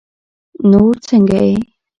نور څنګه يې؟